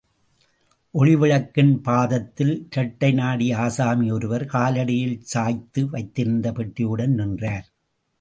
ஒளிவிளக்கின் பாதத்தில் இரட்டை நாடி ஆசாமி ஒருவர் காலடியில் சாய்த்து வைத்திருந்த பெட்டியுடன் நின்றார்.